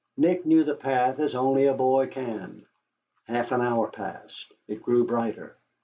Nick knew the path as only a boy can. Half an hour passed. It grew brighter.